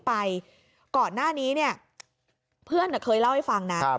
ไปก่อนหน้านี้เนี่ยเพื่อนเคยเล่าให้ฟังนะ